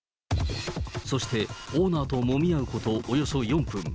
そしてオーナーともみ合うことおよそ４分。